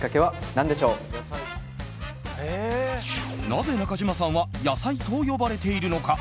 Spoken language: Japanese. なぜ中島さんは野菜と呼ばれているのか。